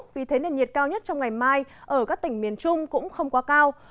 vì thế nền nhiệt cao nhất trong ngày mai ở các tỉnh miền trung cũng không quá cao